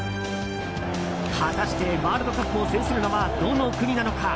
果たしてワールドカップを制するのは、どの国なのか？